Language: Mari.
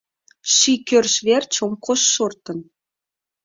Ший кӧрж верч ом кошт шортын